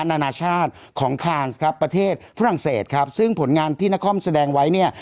นานาชาติของคานส์ครับประเทศฝรั่งเศสครับซึ่งผลงานที่นครแสดงไว้เนี่ย